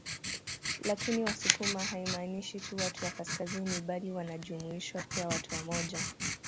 Lakini Wasukuma haimaanishi tu watu wa kaskazini bali wanajumuishwa pia watu wa moja